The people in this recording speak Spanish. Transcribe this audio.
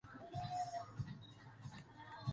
Estos planes nunca se llevaron a cabo completamente.